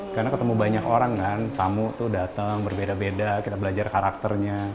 karena ketemu banyak orang kan tamu tuh datang berbeda beda kita belajar karakternya